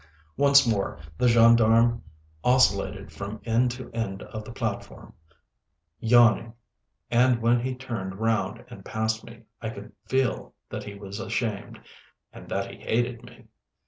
Once more the gendarme oscillated from end to end of the platform, yawning, and when he turned round and passed me I could feel that he was ashamed—and that he hated me.